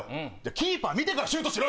キーパー見てからシュートしろよ